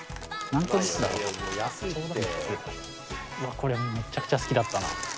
これめちゃくちゃ好きだったな。